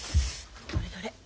どれどれ？